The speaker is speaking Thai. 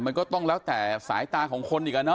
มันก็ต้องแล้วแต่สายตาของคนอีกอ่ะเนอ